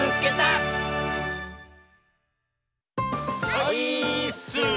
オイーッス！